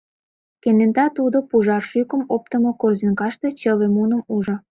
Кенета тудо пужар шӱкым оптымо корзинкаште чыве муным ужо.